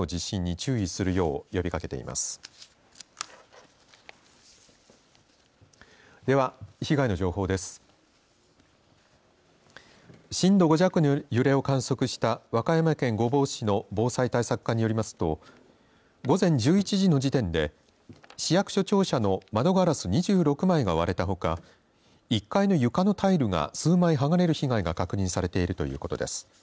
震度５弱の揺れを観測した和歌山県御坊市の防災対策課によりますと午前１１時の時点で市役所庁舎の窓ガラス２６枚が割れたほか１階の床のタイルが数枚はがれる被害が確認されているということです。